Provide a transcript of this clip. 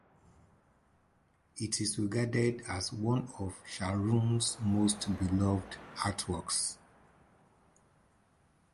It is regarded as one of Scharoun's most beloved artworks.